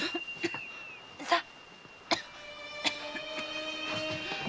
さあ！